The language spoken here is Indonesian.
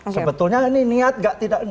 sebetulnya ini niat tidak tidak